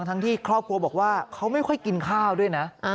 ทั้งที่ครอบครัวบอกว่าเขาไม่ค่อยกินข้าวด้วยนะ